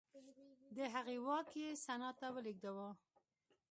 د هغې واک یې سنا ته ولېږداوه